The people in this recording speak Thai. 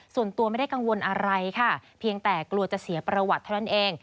ส่วนตัวไม่ได้กังวลอะไรค่ะเพียงแต่กลัวจะเสียประวัติเท่านั้นเอง